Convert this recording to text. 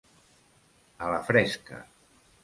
A la fresca.